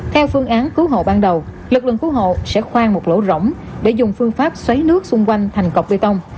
theo phương án cứu hộ ban đầu lực lượng cứu hộ sẽ khoan một lỗ rỗng để dùng phương pháp xoáy nước xung quanh thành cọc bê tông